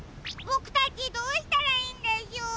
ボクたちどうしたらいいんでしょう？